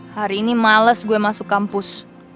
hari ini males gue masuk kampus